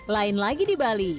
lain lagi di bali